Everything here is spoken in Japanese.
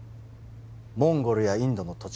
モンゴルやインドの土地